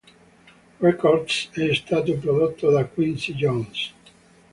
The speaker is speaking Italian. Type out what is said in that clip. Records è stato prodotto da Quincy Jones.